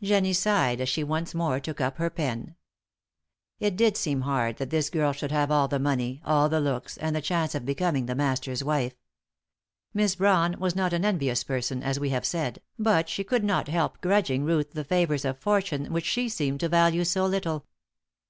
Jennie sighed as she once more took up her pen. It did seem hard that this girl should have all the money, all the looks, and the chance of becoming the Master's wife. Mis Brawn was not an envious person, as we have said, but she could not help grudging Ruth the favours of Fortune which she seemed to value so little.